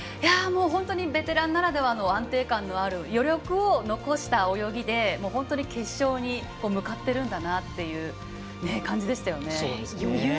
本当にベテランならではの安定感のある余力を残した泳ぎで本当に決勝に向かってるんだなっていう感じでしたよね。